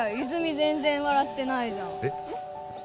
全然笑ってないじゃんえっ？